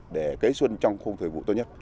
để cấy xuân trong khung thời vụ tốt nhất